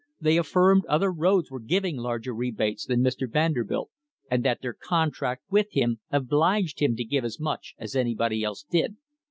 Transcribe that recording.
They affirmed other roads were giving larger rebates than Mr. Vanderbilt, and that their contract with him obliged him to give as much as anybody else did.